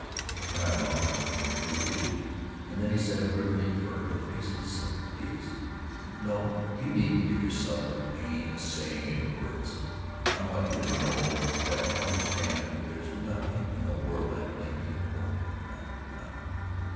"Am I wrong?" he repeated, and then he said hurriedly, for her face was so piteous "No, you needn't give yourself the pain of saying it in words. I want you to know that I understand that there is nothing in the world I blame you for nothing nothing.